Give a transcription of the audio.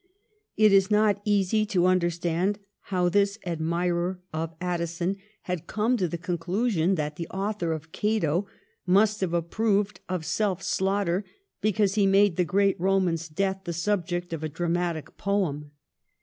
It is not easy to understand how this admirer of Addison had come to the conclusion that the author of 'Cato' must have approved of self slaughter because he made the great Eoman's death the sub ject of a dramatic poem.